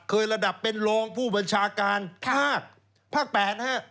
เคยระดับเป็นโรงผู้บัญชาการภาคภาคแปด